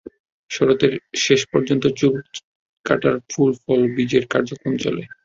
শরতের শেষ পর্যন্ত চোরকাঁটার ফুল-ফল বীজের কার্যক্রম চলে।